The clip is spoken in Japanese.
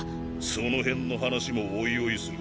そのへんの話もおいおいする。